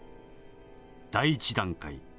第１段階。